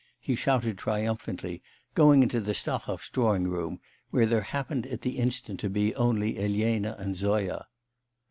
he shouted triumphantly, going into the Stahovs' drawing room, where there happened at the instant to be only Elena and Zoya.